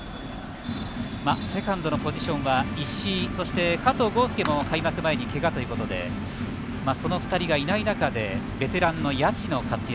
セカンドのポジションは石井、加藤豪将も開幕前にけがということでその２人がいない中でベテランの谷内の活躍。